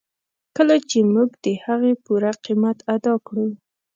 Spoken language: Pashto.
کله چې موږ د هغې پوره قیمت ادا کړو.